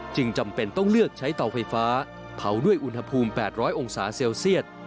จำเป็นต้องเลือกใช้เตาไฟฟ้าเผาด้วยอุณหภูมิ๘๐๐องศาเซลเซียต